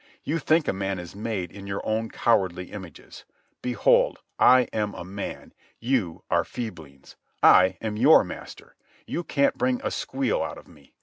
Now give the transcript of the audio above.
You think a man is made in your own cowardly images. Behold, I am a man. You are feeblings. I am your master. You can't bring a squeal out of me.